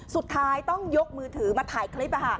สุดท้ายต้องยกมือถือมาถ่ายคลิป